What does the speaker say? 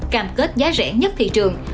cảm kết giá rẻ nhất thị trường